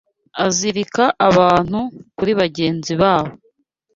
azirika abantu kuri bagenzi babo